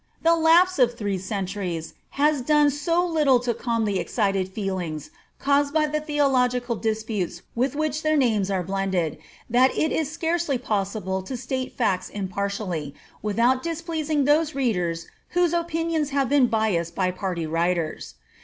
The lapse of three centuries has done so little to calm the excited feelings caused by the theological disputes with which their names are blended, that it is scarcely possible to state facts impartially, without displeasing those readers whose opi nions have been biassed by party writers.